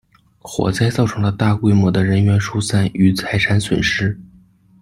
火灾造成了大规模的人员疏散与财产损失。